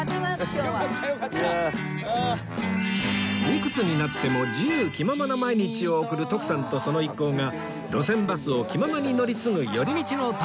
いくつになっても自由気ままな毎日を送る徳さんとその一行が路線バスを気ままに乗り継ぐ寄り道の旅